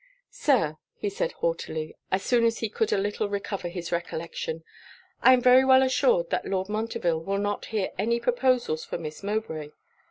'Sir,' said he haughtily, as soon as he could a little recover his recollection, 'I am very well assured that Lord Montreville will not hear any proposals for Miss Mowbray.